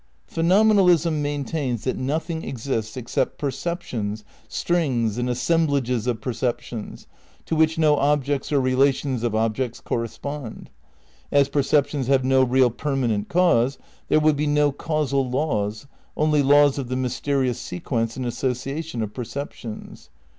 58 THE NEW IDEALISM ni Phenomenalism maintains that nothing exists except perceptions, strings and assemblages of perceptions, to which no objects or relations of objects correspond. As perceptions have no real permanent cause, there will be no causal laws,^ only laws of the mysterious se quence and association of perceptions.